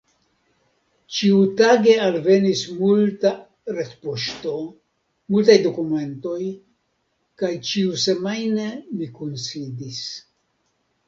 Ĉiutage alvenis multa retpoŝto, multaj dokumentoj, kaj ĉiusemajne ni kunsidis.